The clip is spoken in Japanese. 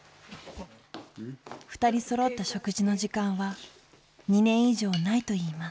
２人そろった食事の時間は２年以上ないといいます。